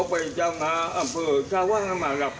ไม่ออกมาอยู่มาวันนี้สิเรื่องโดรนจากกะวะโรทเลยมาเปิดความรัก